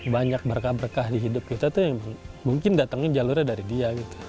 banyak berkah berkah di hidup kita tuh yang mungkin datangnya jalurnya dari dia gitu